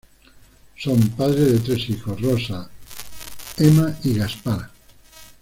Son padres de tres hijos: Rosa, Ema y Gaspar.